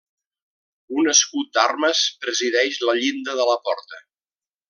Un escut d'armes presideix la llinda de la porta.